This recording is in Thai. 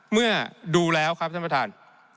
เมื่อดูแล้วครับท่านประธาน